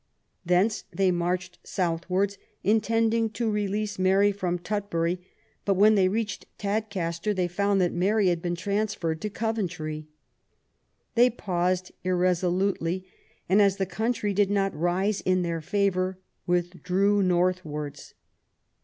Thence they marched south I20 QUEEN ELIZABETH, wards, intending to release Mary from Tutbury ; but when they reached Tadcaster they found that Mary had been transferred to Coventry. They paused irresolutely, and as the country did not rise in their favour, withdrew northwards.